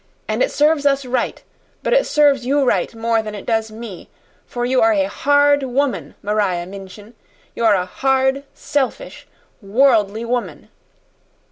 And it serves us right; but it serves you right more than it does me, for you are a hard woman, Maria Minchin, you're a hard, selfish, worldly woman!"